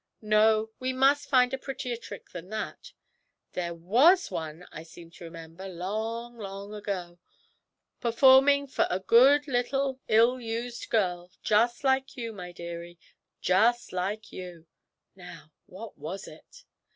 No, we must find a prettier trick than that there was one I seem to remember, long, long ago, performing for a good little ill used girl, just like you, my dearie, just like you! Now what was it?